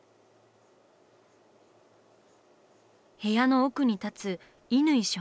部屋の奥に立つ乾少年。